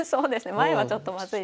前はちょっとまずいですね。